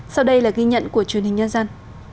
sau đây là ghi nhận của truyền hình nhân dân